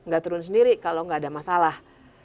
gak turun sendiri kalau nggak ada masalah